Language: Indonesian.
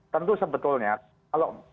tentu sebetulnya kalau